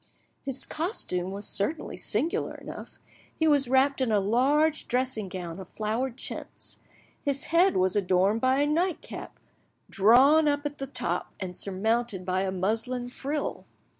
His costume was certainly singular enough: he was wrapped in a large dressing gown of flowered chintz; his head was adorned by a nightcap drawn up at the top and surmounted by a muslin frill.